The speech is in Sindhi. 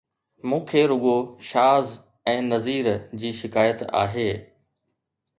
مون کي رڳو شاز ۽ نذير جي شڪايت آهي